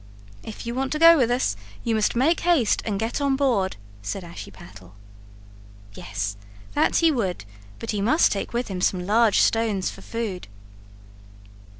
"If you want to go with us, you must make haste and get on board," said Ashiepattle. Yes, that he would, but he must take with him some large stones for food.